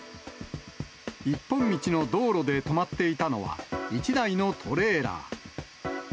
一本道の道路で止まっていたのは、１台のトレーラー。